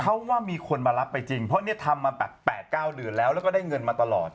เพราะว่ามีคนมารับไปจริงเพราะเนี่ยทำมาแบบ๘๙เดือนแล้วแล้วก็ได้เงินมาตลอด